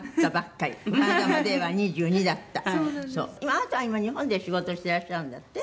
あなたは今日本で仕事していらっしゃるんだって？